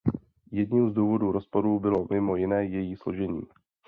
Jedním z důvodů rozpadu bylo mimo jiné její složení.